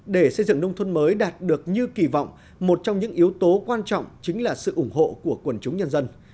để xây dựng nông thôn mới đạt được như kỳ vọng một trong những yếu tố quan trọng chính là sự ủng hộ của quần chúng nhân dân